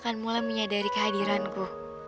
akan mulai menyadari kehadiranku